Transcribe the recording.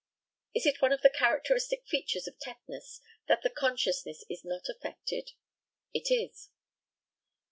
Is it one of the characteristic features of tetanus that the consciousness is not affected? It is.